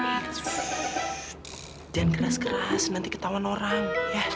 jangan keras keras nanti ketauan orang